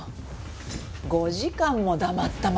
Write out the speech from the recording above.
５時間も黙ったまま！